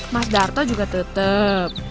mas darto juga tetep